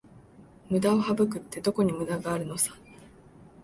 ムダを省くって、どこにムダがあるのさ